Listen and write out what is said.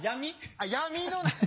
あっ「闇の」。